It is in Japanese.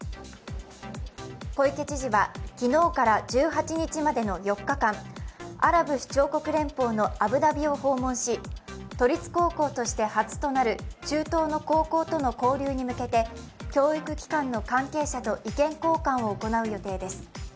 小池知事は昨日から１８日までの４日間アラブ首長国連邦のアブダビを訪問し都立高校として初となる中東の高校との交流に向けて教育機関の関係者と意見交換を行う予定です。